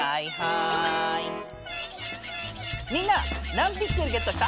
みんな何ピクセルゲットした？